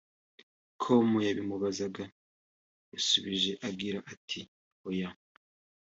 com yabimubazaga yasubije agira ati “Oya